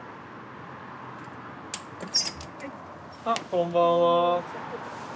あこんばんは。